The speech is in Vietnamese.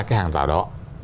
cái hàng rào đó